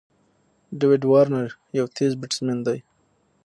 داويد وارنر یو تېز بېټسمېن دئ.